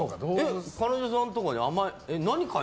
彼女さんとかに甘え。